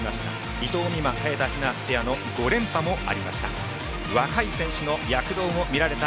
伊藤美誠、早田ひなペアの５連覇もありました。